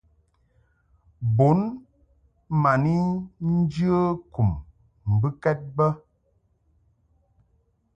Bun ma ni njə kum mbɨkɛd bə.